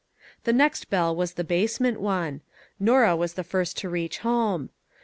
The next bell was the basement one ; Norah was the first to reach home.